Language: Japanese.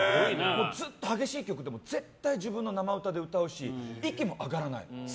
ずっと激しい曲でも自分の生歌で歌うし息も上がらない。